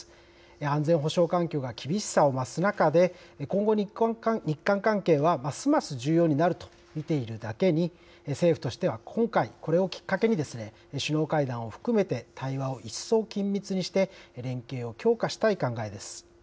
安全保障環境が厳しさを増す中で、今後、日韓関係はますます重要になると見ているだけに、政府としては、今回、これをきっかけに、首脳会談を含めて対話を一層緊密にして、連携を強化したい考えです。